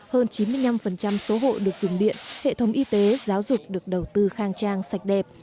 hơn chín mươi năm số hộ được dùng điện hệ thống y tế giáo dục được đầu tư khang trang sạch đẹp